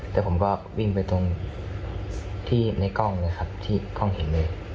แต่ผมก็วิ่งไปตรงที่ในกล้องเลยครับที่กล้องเห็นเลย